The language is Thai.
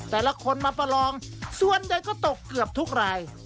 แต่ละคนมาประลองส่วนใหญ่ก็ตกเกือบทุกราย